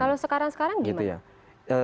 kalau sekarang sekarang gimana